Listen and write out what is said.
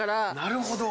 なるほど。